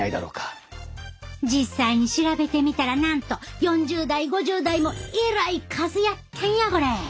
実際に調べてみたらなんと４０代５０代もえらい数やったんやこれ。